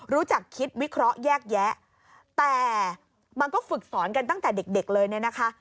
รู้จักคิดวิเคราะห์แยกแยะแต่มันก็ฝึกสอนกันตั้งแต่เด็กเลยเนี่ยนะคะ